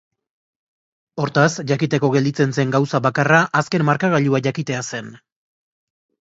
Hortaz, jakiteko gelditzen zen gauza bakarra azken markagailua jakitea zen.